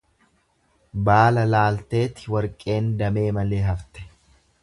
Baala laalteeti warqeen damee malee hafte.